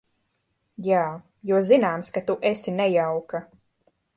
Jā, jo zināms, ka tu esi nejauka.